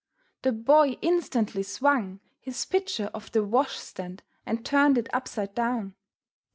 The Boy instantly swung His pitcher off the wash stand and turned it upside down.